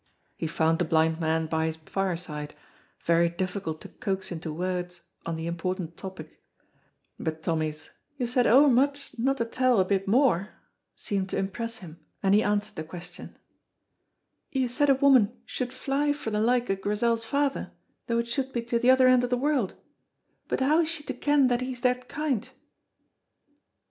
He found the blind man by his fire side, very difficult to coax into words on the important topic, but Tommy's "You've said ower much no to tell a bit more," seemed to impress him, and he answered the question, "You said a woman should fly frae the like o' Grizel's father though it should be to the other end of the world, but how is she to ken that he's that kind?"